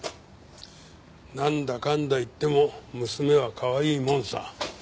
なんだかんだ言っても娘はかわいいもんさ。